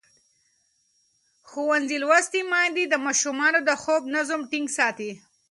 ښوونځې لوستې میندې د ماشومانو د خوب نظم ټینګ ساتي.